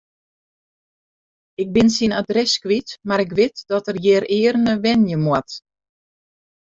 Ik bin syn adres kwyt, mar ik wit dat er hjirearne wenje moat.